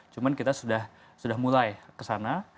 cuma kita sudah mulai kesana